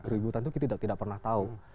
keributan itu kita tidak pernah tahu